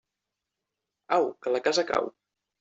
Au, que la casa cau.